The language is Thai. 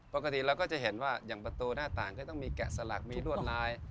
ปกติเราก็จะเห็นว่าอย่างประตูหน้าต่างก็ต้องมีแกะสลักมีรวดลาย